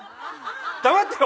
黙ってろ。